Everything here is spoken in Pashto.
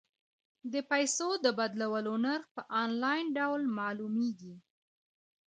د پيسو د بدلولو نرخ په انلاین ډول معلومیږي.